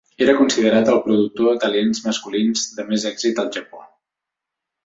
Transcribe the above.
Era considerat el productor de talents masculins de més èxit al Japó.